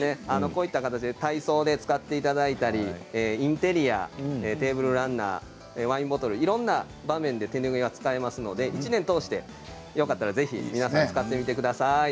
体操で使っていただいたりインテリア、テーブルランナーワインボトルいろいろな場面で手拭いは使えますので１年を通してよかったら皆さん使ってみてください。